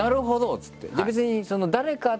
っつって。